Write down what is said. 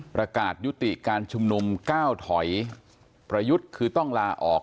ประกาศยุติการชุมนุมก้าวถอยประยุทธ์คือต้องลาออก